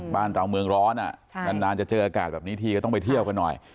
บ้านเราเมืองร้อนนานจะเจออากาศแบบนี้ทีก็ต้องไปเที่ยวกันหน่อย